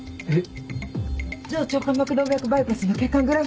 えっ？